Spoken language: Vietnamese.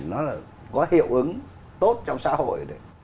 nó là có hiệu ứng tốt trong xã hội